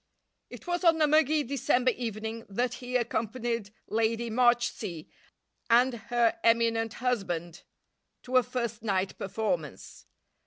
It was on a muggy December evening that he accompanied Lady Marchsea and her eminent husband to a first night performance.